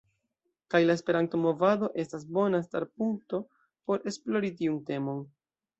Kaj la Esperanto-movado estas bona starpunkto por esplori tiun temon.